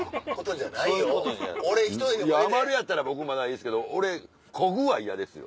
余るやったらまだいいですけど俺こぐは嫌ですよ。